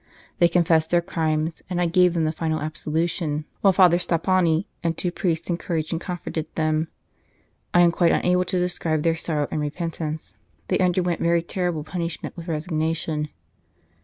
They confessed their crimes, and I gave them the final absolution, while Father Stoppani and two priests encouraged and comforted them. I am quite unable to describe their sorrow and repentance ; they underwent their terrible punish ment with resignation.